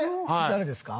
誰ですか？